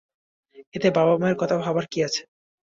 এতে বাবা-মায়ের কথা ভাবার কী আছে?